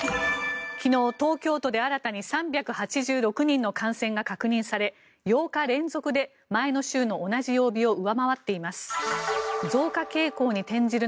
昨日、東京都で新たに３８６人の感染が確認され８日連続で前の週の同じ曜日を上回っています。